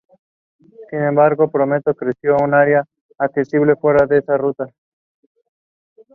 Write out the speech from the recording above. Sin embargo, Prometeo creció en un área accesible fuera de esa ruta.